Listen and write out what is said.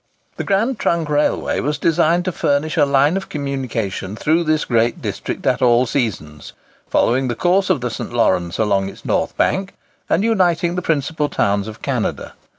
The Grand Trunk Railway was designed to furnish a line of communication through this great district at all seasons; following the course of the St. Lawrence along its north bank, and uniting the principal towns of Canada.